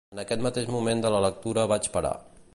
En aquest mateix moment de la lectura vaig parar.